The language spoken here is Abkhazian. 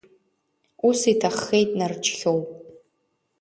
Ус иҭаххеит Нарџьхьоу.